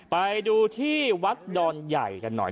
ไปดูที่วัดดอนใหญ่กันหน่อย